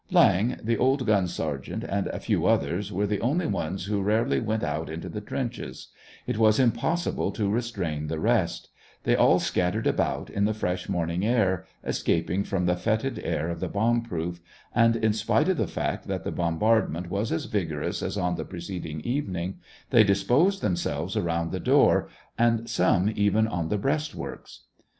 Viang, the old gun sergeant, and a few others were the only ones who rarely went out into the trenches ; it was impossible to restrain the rest ; they all scat tered about in the fresh morning air, escaping from the fetid air of the bomb proof, and, in spite of the fact that the bombardment was as vigorous as on the preceding evening, they disposed them selves around the door, and some even on the breastworks.